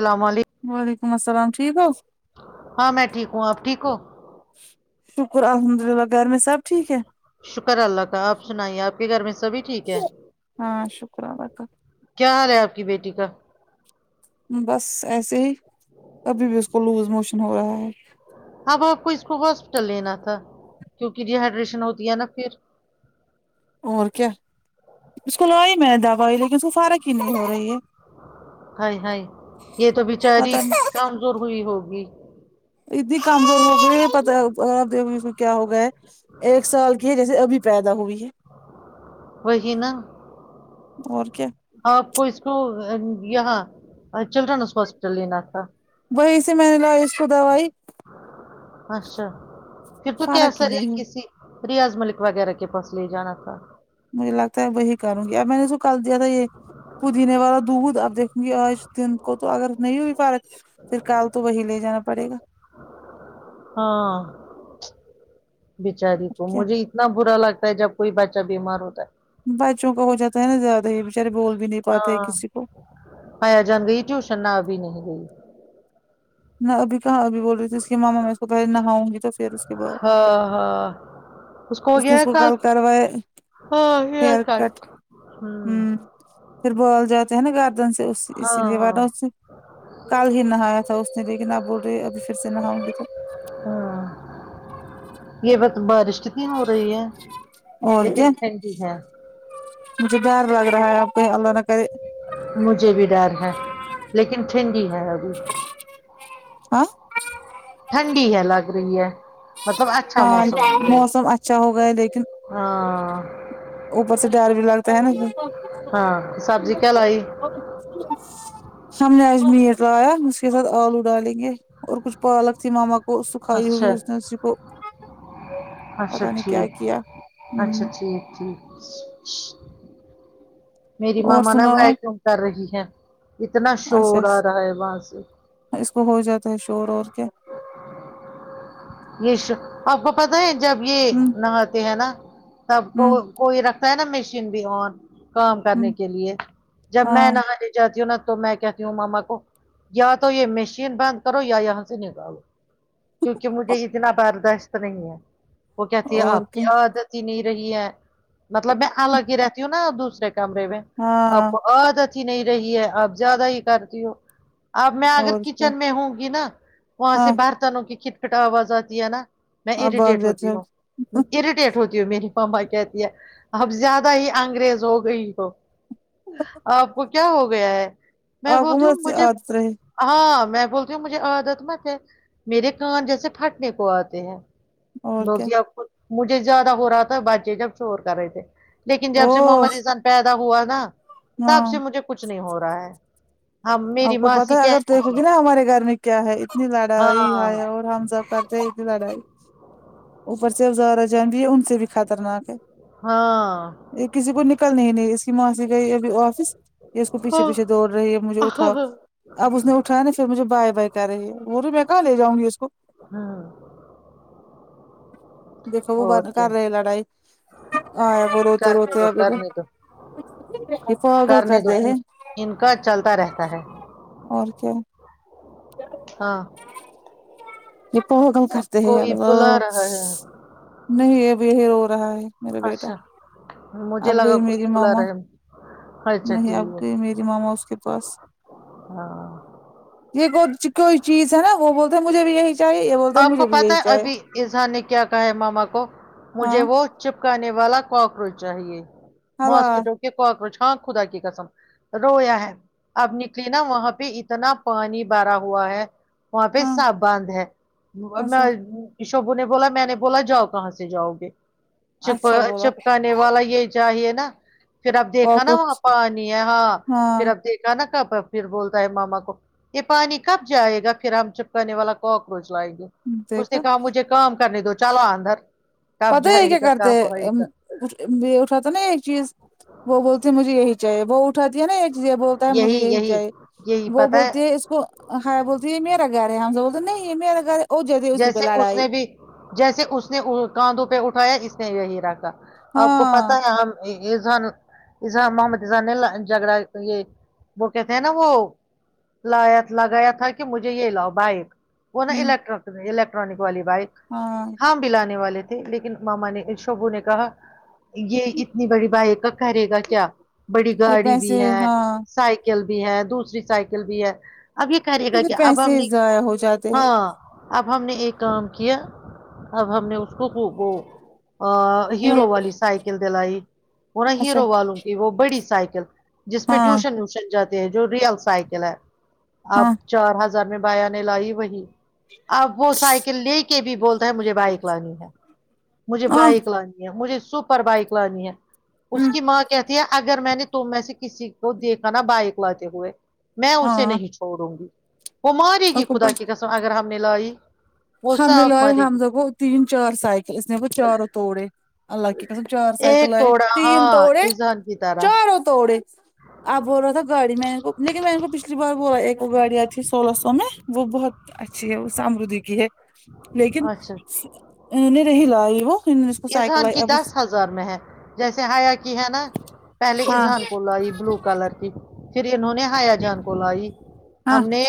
السلام علیکم وعلیکم السلام ٹھیک ہو ہاں میں ٹھیک ہوں آپ ٹھیک ہو شکر الحمد للہ گھر میں سب ٹھیک ہے شکر اللہ کا آپ سنائیے آپ کے گھر میں سبھی ٹھیک ہے ہاں شکر اللہ کا کیا حال ہے آپ کی بیٹی کا بس ایسے ہی کبھی بھی اس کو لوز موشن ہو رہا ہے ہاں با آپ کو اس کو ہاسپٹل لینا تھا کیونکہ ڈیہائیڈریشن ہوتی ہے نا پھر اور کیا اس کو لائی میں نے دوائی لیکن اس کو فرق ہی نہیں ہو رہی ہے ہائے ہائے یہ تو بچاری پتہ نہیں کمزور ہوئی ہوگی اتنی کمزور ہوگی پتا نہیں اس کو کیا ہوگیا ہے ایک سال کی ریز ابھی پیدا ہوئی ہے وہہی نا اور کیا آپ کو اس کو یہاں چلڈرن ہاسپٹل لینا تھا وہی سے میں نے لا ی اس کو دوائی اچھا پھر تو کیا فرق ہی سر ہے نہیں ہوئی کسی ریاض ملک وغیرہ کے پاس لے جانا تھا مجھے لگتا ہے وہی کروں گی اب میں نے سو کل دیا تھا یہ پودینے والا دودھ اب دیکھوں گی آج دن کو تو اگر نہیں ہوئی فرق پھر کل تو وہی لے جانا پڑے گا ہاں بچاری کو کیا مجھے اتنا برا لگتا ہے جب کوئی بچہ بیمار ہوتا ہے بچوں کا ہو جاتا ہے نا زیادہ ہی بچارے بول بھی نہیں پاتے ہیں کسی کو پایا جان بھی ٹیوشن نہ بھی نہیں گئی نہ ابھی کہاں ابھی بول رہی تھی اس کی ماما میں کو پہے نہاؤ گی تو پھر اس کے بعد ہ ہاں اس کو ہو گیا ہے کل ہاں ہیئر کٹ ہوں ہم پھر بال جاتے ہیں نا گردن سے اس اسی ہاں لیے ورہ ہاں اس سے کل ہی نہایا تھا اس نے لیکن اب بول رہی ابھی پھر سے نہاؤ گی تو ہاں یہ بت بارش ہو رہی ہے اور لیکن کیا ٹھنڈی ہے مجھے ڈر لگ رہا ہے کہیں اللہ نہ کرے مجھے بھی ڈر ہے لیکن ٹھنڈی ہے ابھی آ ٹھنڈی ہے لگ رہی ہے مطلب اچھا بہار موسم ہو گیا موسم اچھا ہوگا ہے لیکن ہاں اوپر سے ڈر بھی لگتا ہے نا ہاں سبزی کیا لائی ہم نے آج میٹ لایا اس کے ساتھ آلو ڈالیں گے اور کچھ پالک تھی ماما کو وہ سکھائی اچھا ہوئی اس نے ر سی کو اچھا پتا نہیں کیا ٹھیک ہے کیا اچھا ہمم ٹھیک ٹھیک میری اور ماما نا سناؤ ویکیوم کر رہی ہے اتنا اچھا شور آ اچھا رہا ہے وہاں سے اس کو ہو جاتا ہے شور اور کیا یہ آپ کو پتا ہے جب یہ ہمم نہاتے ہیں نا تب کو ہمم کوئی رکھتا ہے نا مشین بھی آن کام کرنے ہمم کے لیے جب ہاں میں ناہا جاتتی ہوں نا تو میں کہتی ہوں ماما کو یا تو یہ مشین بند کرو یا یہاں سے نکالو کیونکہ مجھے اتنا برداشت نہیں ہے وہ کہتی ہے اور آپ کیا کی عادت جی نہیں رہی ہے مطلب میں الگ ہی رہتی ہوں نا دوسرے کمرے میں آپ ہاں کو عادت ہی نہیں رہی ہے آپ زیادہ ہی کرتی ہو اب میں اگر اور کیا کچن میں ہوں گی نا وہاں سے ہاں برتنوں کی کھٹ پٹ آواز آتی ہے نا میں آپ بھاگ اریٹیٹ جاتے ہوتی ہو ہوں اریٹیٹ ہوتی ہوں میری ماما کہتی ہے اب زیادہ ہی انگریز ہو گئی ہو آپ کو کیا ہو گیا ہے میں آپ کو بولتی ہوں مت مجھے عادت رہے ہاں میں بولتی ہوں مجھے عادت مت ہے میرے کان جیسے پھٹنے کو آتے ہیں اور کیا مجھے زیادہ ہو رہا تھا بچے جب شور کر رہے تھے لیکن او جب سے محمد احسان پیدا ہوا نا تب ہاں سے مجھے کچھ نہیں ہو رہا ہے ہم میری آپ کو پتا ماسی ہے اگر کہتی دیکھو تھی گی نا ہمارے گھر میں کیا ہے اتنی لڑائی ہے ہاں اور ہم سب کرتے لڈائی اوپر سے ازارا جان بھی ہے ان سے بھی خطرناک ہے ہاں یہ کسی کو نکلنے ہی نہیں اس ماںسی گئی ابھی آفس یہ اس کو پیچھے پیھے ہاں دوڑ رہی ہے مجھے اٹھاؤ اب اس نے اٹھایا نا پھر مجھے بائے بائی کر رہی ہے وہ رہی میں کہاں لے جؤں گی اس کو ہاں دیکھو وہ اور بںد کر کیا رہے لڑائی اور روتے کرنے روتے دو آگی تو کرنے دو ایسا پگل کرنے دو کرتے ان ہیں ان کا چلتا رہتا ہے اور کیا ہاں لگتا کم کرتے ہیں کوئی بلا الله رہا ہے نہیں اب یہ رو رہا ہے میرا بیٹا اچھا مجھے اب لگا گئی کوئی میری بلا ماما رہا ہے اچھا نہیں اب ٹھیک ہے گئی میری ماما اس کے پاس ہاں یہ کو کوئی چیز ہے وہ بولتے مجھے بھی یہی چاہیے یہ بولتے ہیں آپ کو مجھے بھی پتا یہی ہے چاہیے ابھی ازحان نے کیا کہا ہے ماما کو مجھے ہاں وہ چپکانے والا کاکروچ چاہیے ہلا ماسکیٹو کے کاکروچ ہاں خدا کی قسم رویا ہے اب نکلی نا وہاں پہ اتنا پانی بھرا ہوا ہے وہاں پہ ہاں سب باند ہے اچھا میں شبو نے بولا میں نے بولا جاؤ کہاں سے جاؤ گے چپ اچھا بولا چپکانے والا یہ چاہیے نا پھر اب دیکھا نا وہاں کاکروچ پانی ہے ہاں پھر اب دیکھ نا کب پھر بولتا ہے ماما کو یہ پانی کب جائے گا پھر ہم چپکانے والا کوک رج لینگے اس نے دیکھا کہا مجھے کام کرنے دو چلاو اندر کب پتا ہے یہ جائے کیا گا کرتے کب ہے آئے ا گا یہ اٹھاتا نا یہ چیز وہ بولتی مجھے یہی چاہیے وہ اٹھاتی ہے نا چیزے بولتا ہے مجھے یہی چاہیے وہ بولتی ہے وہ ہ بولتی ہے یہ میرا گھر ہے ہم سب بولتے نہیں یہ میرا گھر ہو جاتی اسی پہ جیسے اس لڑائی نے بھی جیسے اس نے کاندوں پہ اٹھایا اس نے یہی رکھا آپ کو ہاں پتا ہے ہم اسان محمد اسان نے جگڑا یہ وہ کہتے ہیں نا وہ لایا لگایا تھا کہ مجھے یہ لاؤ باہر وہ نا ہمم الیکٹرک الیکٹرانک والی بائک ہاں ہم د لانے والے تھے لیکن ماما نے شوبو نے کہا یہ اتنی بڑی بائک کا کرے گا کیا بڑی یہ گاڑی بھی پیسے ہے ہاں س کل بھی ہے دوسری سائیکل بھی ہے اب یہ کرہیے گا پھر اب ہم پیسے بہی ضائع ہو جاتے ہیں ہاں اب ہم نے ایک کام کیا اب ہم نے اس کو وہ ہاں ہیرو والی سائیکل دلائی ان اچھا ہیرو والوں کی وہ بڑی سائیکل جس پہ ہاں ٹیوشن ویوشن جاتے ہیں جو ریئل سائیکل ہے آب ہاں چار ہزار میں بایا نے لائی وہی اب وہ سائیکل لے کے بھی بولتا ہے مجھے بائک لانی ہے مجھے ہاں بائک لانی مجھے سپر بائک لانی ہے اس ہوں کی ماں کہتی ہے اگر میں نے تم سے کسی کو دیکھا نا بائک لاتے ہوئے میں اسے ہاں نہیں چھوڑوں گی وہ مارے گی خدا کی قسم اگر ہم نے لائی وہ حم صاف لائے مارے گی ہمزو تین چار سائیکل اس نے وہ چاروں توڑے اللہ کی قسم چار سائیکل لاے تین تھوڑے یہ تارا اب بول رہا تھا گاڑی میں کو لیکن میں ان کو پچھلی بار بولی ایک وہ گاڑ آ تھی سولہ سو میں وہ بہت اچھی ہے وہ سامھ دیکی ہے لیکن اچھا ا رہی لا وہ کو سائیکل اذان لائی کی اب اس دس ہزار میں ہے جیسے ہیا کی ہے نا پہلے ہاں ایزان کو ل آائی بلو کلر کی پھر انہوں نے ہایا جان کو ل آائی ہاں ہم نے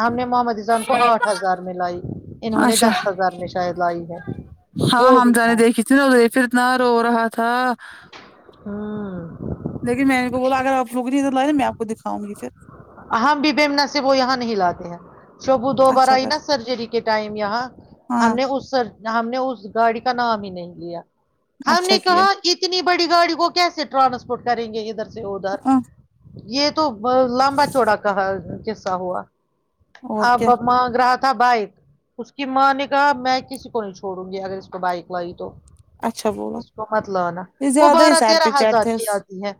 ہم نے محمد ایزان کو آٹھ ہزار میں لائی انہوں نے اچھا دس ہزار میں شاید لائی ہے ہاں وہ ہم بھی جانے ہے دیک اتنے پھر اتنا رو رہا تھا ہممم لیکن میں ان کو بولا اگر آپوگ لا میں آپ کو دکھاؤںگی پھر ہم بھی بیمنا سے وہ یہاں نہیں لاتے ہیں شبو دو بار اچھا آئی کر نا سرجری کے ٹائم یہاں ہم ہاں نے اس سر ہم نے اس گاڑی کا نام ہی نہیں لیا ہم نے اچھا کیا کہا کتنی بڑی گاڑی کو کیسے ٹرانسپورٹ کریں گے ادھر سے ادھر ہاں یہ تو لمبا چوڑا کہ قصہ ہوا اور آب کیا ما گراہک تھا بائک اس کی ماں نے کہا میں کسی کو نہیں چھووں گی اگر اس پہ بائک لائی تو اچھا بولو اس کو مت لانا وہ بارہ تیرہ ہزار کی آتی ہے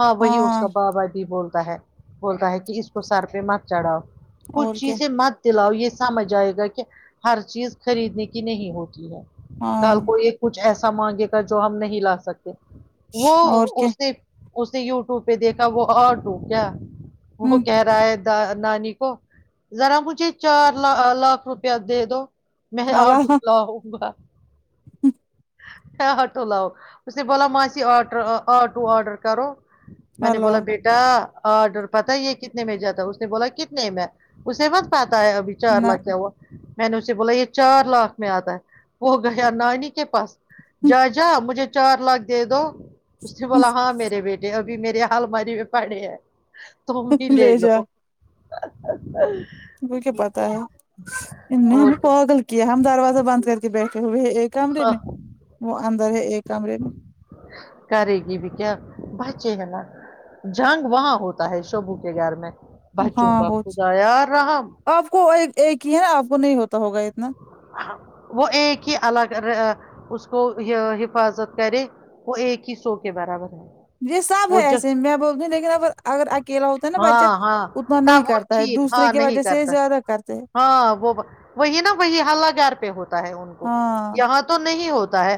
ہاں وہی اس کا بابا بھی بولتا ہے بولتا ہے کہ اس کو سر پہ مت چڑھاؤ کچھ اور کیا چیزیں مت دلاؤ یہ سمجھ آئے گا کہ ہر چیز خریدنے کی نہیں ہوتی ہے ہاں کال کو ایک کچھ ایسا مانگے گا جو ہم نہیں لا سکتے وہ اور کیا اسے اس نے یوٹیوب پہ دیکھا وہ اور آٹو کیا وہ ہوں کہہ رہا ہے نانی کو ذرا مجھے چار ل لاکھ روپیہ دے دو میں آٹو اللہ لاؤں گا آٹو لاؤ اس نے بولا ماسی آٹر آٹو آڈر کرو میں نے بولا اللہ بیٹا آڈر پتا یہ کتنے میں جاتا اس نے بولا کتنے میں اسے مت پاتا ہے ابھی چار نہ لاکھ کیا ہوا میں نے اسے بولا یہ چار لاکھ میں آتا ہے وہ گیا نانی کے پاس جا جا مجھے چار لاکھ دے دو اس نے بولا ہاں میرے بیٹے ابھی میرے الماری میں پڑے ہیں تم ہی لے لو [unintelligible] وہ کیا پتا ہے انہو نے ہم پاگل کیا ہم دروازہ بند کر کے بیٹھے ہوئے ایک کمرے میں وہ اندر ہے ایک کمرے میں کرے گی بھی کیا بچے ہے نا جنگ وہاں ہوتا ہے شبو کے گھر میں بچوں ہاں کا ہو خدا یا رہم آپ کو ایک ہی ایک ہے نا آپ کو نہیں ہوتا ہوگا اتنا وہ ایک ہی الگ اس کو حفاظت کرے وہ ایک ہی سو کے برابر ہے یہ سب ہے وہ جو ایسے میں بوول نہیں لیکن اب اگر اکیلا ہوتا ہے نا بچہ ہاں ہاں اتنا نہیں تب وہ کرتا ہے ٹھیک دوسرے ہاں کی نہیں وجہ سے کرتا زیادہ کرتے ہے ہاں وہ وہی نا وہی ہلہ گار پہ ہوتا ہے ان کو ہاں یہاں تو نہیں ہوتا ہے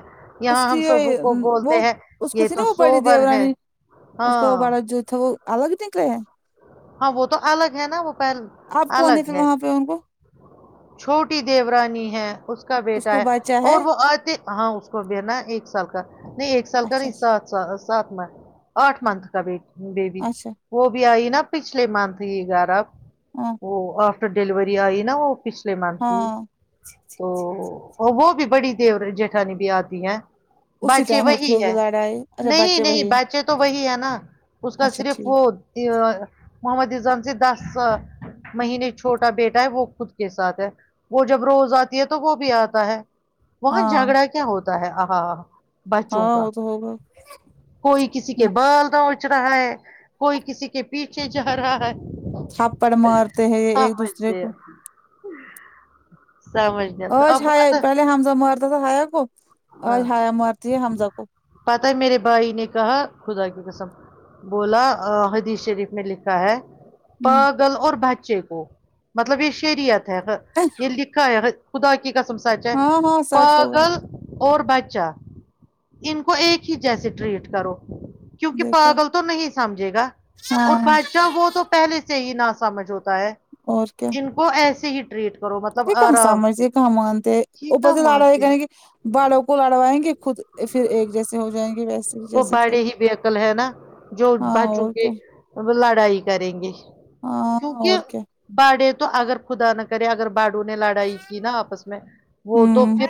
اس یہاں ہم کی شبو کو وہ بولتے ہیں اس کو یہ س نا تو وہ پڑی سوبر ہے دیورانی اس کو ہاں بڑا جو تھا وہ الگ نکلے ہیں ہاں وہ تو الگ ہے نا وہ پل آپ کون الگ پھر ہے وہاں پہ ان کو چھوٹی دیورانی ہے اس کا بیٹا کو ہے بچہ ہے اور وہ آتے ہاں اس کو بنا ہے ایک سال کا نہیں ایک سال کا اچھا نہیں اچھا س سا سات منت آٹھ منتھ کا بیبی اچھا وہ بھی آئی نا پچھلے منتھ ہی گیارہ آب ہاں وہ آفٹر ڈلیوری آئی نا وہ پچھلے منتھ کی ہاں تو وہ بھی بڑی دیور جٹھانی بھی آتی ہیں اسی بچے ٹائم ہوتی وہی ہوگی ہے لڑائی اچھا نہیں بچے نہیں وہی ہے بچے تو وہی ہے نا اس کا اچھا صرف ٹھیک وہ محمد رزام سے دس سا مہینے چھوٹا بیٹا ہے وہ خود کے ساتھ ہے وہ جب روز آتی ہے تو وہ بھی آتا ہے وہاں ہاں جھگڑا کیا ہوتا ہے آہا آہا بچوں ہاں کا وہ تو ہوگا کوئی کسی کے بال لوچ رہا ہے کوئی کسی کے پیچھے جا رہا ہے تھپڑ مارتے ہیں یہ ایک سمجھ دوسرے نہیں کو سمجھ تو آج آپ کو ہایا پتا پہلے حمزہ مارتا تھا ہایا کو آج ہایا مارتی ہے حمزہ کو پتہ ہے میرے بھائی نے کہا خدا کی قسم بولا آ حدیث شریف میی لکھا ہے ہوں پاگل اور بچے کو مطلب یہ شریت ہے یہ لکھا ہے خدا کے کی قسم سچ ہے ہاں ہاں سچ ہوگا پاگل اور بچہ ان کو ایک ہی جیسے ٹریٹ کرو کیونکہ دیکھا پاگل تو نہیں سمجھے گا اور ہاں بادچہ وہ تو پہلے سے ہی نہ سمجھ ہوتا ہے اور کیا ان کو ایسے ہی ٹریٹ کروطب یہ کہاں سامر کہاں مانتے ہیں اپر کیا سے لڑا مانتے کریں گ ہیں بالوں کو لڑوائیں گے خود پھر ایک جیسے ہو جائیں گے ویسے ہی وہ جیسے تھے بڑے ہی بے عقل ہے ہاں اور کیا آب لڑائی کریں گے ہاں کیونکہ اور کیا بڑے تو اگر خدا نہ کرے اگر بڑوں نے لڑائی کی نا آپس میں وہ تو ہوں پھر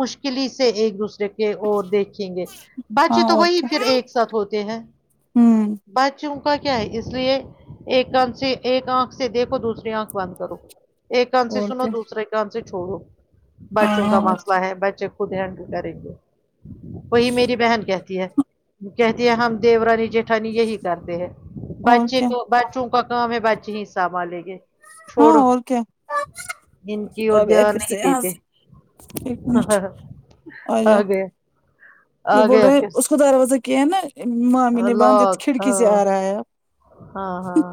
مشکلی سے ایک دوسرے کے اور دیکھیں گے بچے ہاں تو اور وہی کیا پھر ایک ساتھ ہوتے ہیں ہوں بچے ان کا کیا ہے اس لیے ایک کان سے ایک آنکھ سے دیکھو دوسریے آنکھ بند کرو ایک کان سے اور سنو کیا دوسرے کان سے چھوڑو بچوں کا ہاں واسطہ بچے خود ہینڈل کریں گے وہی میری بہن کہتی ہے وہ کہتی ہے ہم دیورانی جیٹھانی یہی کرتے ہیں اور بچے کیا کو بچوں کا کام ہے بچے ہی سمبھال لیں گے ہاں چھوڑو اور کیا ان کی آ اور گئے دھیان پھر سے نہیں یہاں دیتے سے ایک منٹ آےیہ آ گیا یہ آ بول گیا رہے ہیں کس اس کو دروازہ کیا ہے نا مامی نے باندھ دیا لاک کھڑکی سے آ رہا ہے آپ ہاں ہاں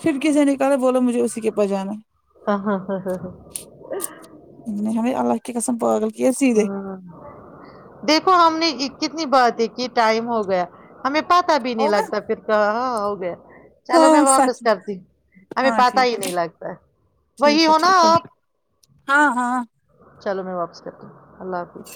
کھڑکی سے نکالا بولو مجھے اسی کے پاس جاناہے ہاں ہاں ہاں ہاں ہاں نے ہمیں اللہ کی قسم پاگل کی سیدھے دیکھو ہم نے کتنی بات ہے کہ ٹائم ہو گیا ہمیں پتا بھی نہیں ہوگا لگتا پھر کہاں آ اؤ گے چلو میں ہاں واپس سچ کرتی ہ ہمیں ہاں پتاہ ہی ٹھیک نہیں ہے لگتا وہی ٹھیک ہے ہونا ٹھیک ہے آپ ہاں ہاں چلو میں واپس کرتی ہوں اللہ حافظ